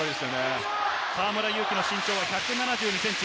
河村勇輝の身長１７２ｃｍ。